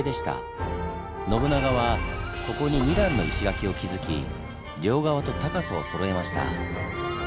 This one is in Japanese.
信長はここに２段の石垣を築き両側と高さをそろえました。